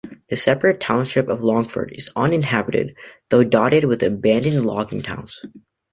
The separate township of Longford is uninhabited, though dotted with abandoned logging towns.